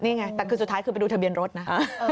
นี่ไงแต่คือสุดท้ายคือไปดูทะเบียนรถนะ